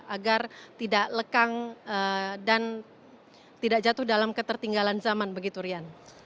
agar tidak lekang dan tidak jatuh dalam ketertinggalan zaman begitu rian